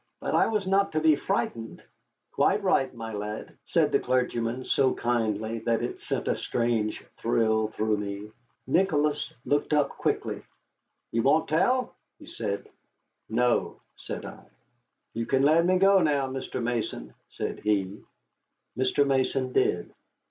But I was not to be frightened." "Quite right, my lad," said the clergyman, so kindly that it sent a strange thrill through me. Nicholas looked up quickly. "You won't tell?" he said. "No," I said. "You can let me go now, Mr. Mason," said he. Mr. Mason did.